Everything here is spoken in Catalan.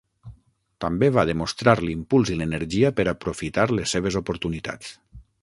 També va demostrar l'impuls i l'energia per aprofitar les seves oportunitats.